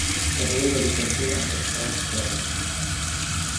Il capoluogo di contea è South Bend.